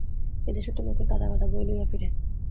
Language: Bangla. এদেশে তো লোকে গাদা গাদা বই লইয়া ফিরে।